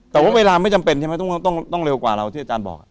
แต่ว่าเวลาไม่จำเป็นใช่ไหมต้องเร็วกว่าเราที่อาจารย์บอก